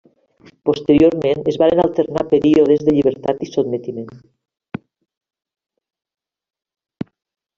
Posteriorment es varen alternar períodes de llibertat i sotmetiment.